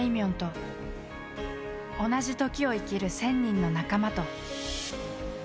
んと同じ時を生きる１，０００人の仲間と。